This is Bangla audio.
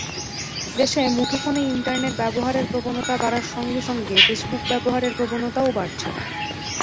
দেশে মুঠোফোনে ইন্টারনেট ব্যবহারের প্রবণতা বাড়ার সঙ্গে সঙ্গে ফেসবুক ব্যবহারের প্রবণতাও বাড়ছে।